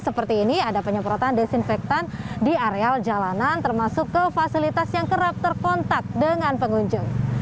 seperti ini ada penyemprotan desinfektan di areal jalanan termasuk ke fasilitas yang kerap terkontak dengan pengunjung